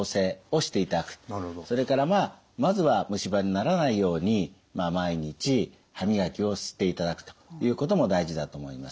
それからまあまずは虫歯にならないように毎日歯磨きをしていただくということも大事だと思います。